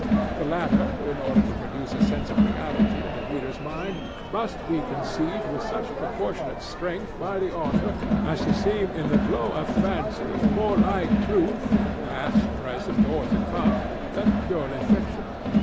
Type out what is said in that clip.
The latter, in order to produce a sense of reality in the reader's mind, must be conceived with such proportionate strength by the author as to seem in the glow of fancy more like truth, past, present or to come, than purely fiction.